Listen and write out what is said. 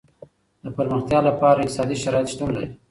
د پرمختیا لپاره اقتصادي شرایط شتون لري.